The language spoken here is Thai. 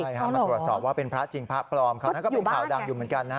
มากรับสอบว่าเป็นพระจริงพระปลอมเขานั่นก็เป็นข่าวดำอยู่เหมือนกัน